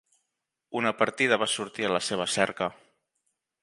Una partida va sortir a la seva cerca.